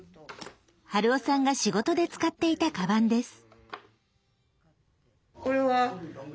春雄さんが仕事で使っていたカバンです。